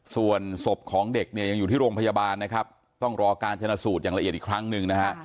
ส่วนศพของเด็กเนี่ยยังอยู่ที่โรงพยาบาลนะครับต้องรอการชนะสูตรอย่างละเอียดอีกครั้งหนึ่งนะฮะ